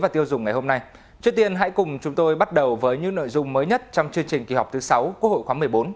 trước tiên hãy cùng chúng tôi bắt đầu với những nội dung mới nhất trong chương trình kỳ họp thứ sáu quốc hội khóa một mươi bốn